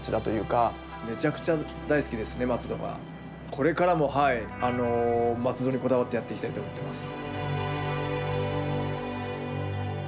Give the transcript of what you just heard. これからも松戸にこだわってやっていきたいと思ってます。